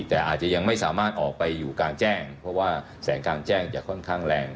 แต่อาจจะยังไม่สามารถออกไปอยู่กลางแจ้งเพราะว่าแสงกลางแจ้งจะค่อนข้างแรง